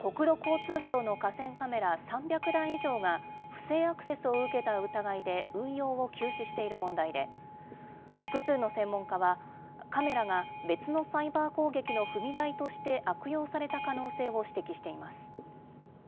国土交通省の河川カメラ３００台以上が、不正アクセスを受けた疑いで運用を休止している問題で、複数の専門家は、カメラが別のサイバー攻撃の踏み台として悪用された可能性を指摘しています。